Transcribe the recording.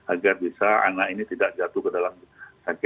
agar bisa anak ini tidak jatuh ke dalam